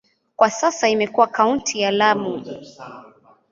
Kwa sasa imekuwa kaunti ya Lamu.